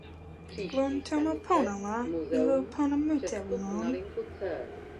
lon tomo pona la, ilo pona mute li lon.